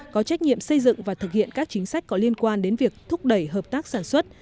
có trách nhiệm xây dựng và thực hiện các chính sách có liên quan đến việc thúc đẩy hợp tác sản xuất